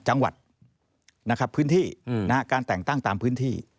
จังหวัดนะครับพื้นที่การแต่งตั้งตามพื้นที่